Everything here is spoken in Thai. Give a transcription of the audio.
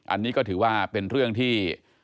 อันนี้ก็ถือว่าเป็นเรื่องที่